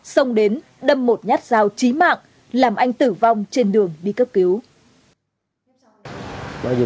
xông đến đâm một nhát rào trí mạng làm anh tử vong trên đường bị cấp cứu